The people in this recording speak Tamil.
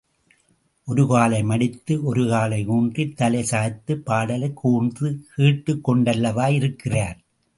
ஒரு காலை மடித்து ஒரு காலை ஊன்றித்தலை சாய்த்து, பாடலைக் கூர்ந்து கேட்டு கொண்டல்லவா இருக்கிறார்.